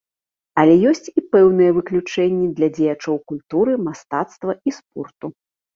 Але ёсць і пэўныя выключэнні для дзеячоў культуры, мастацтва і спорту.